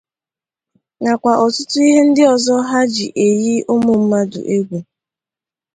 nakwa ọtụtụ ihe ndị ọzọ ha ji eyi ụmụ mmadụ égwù.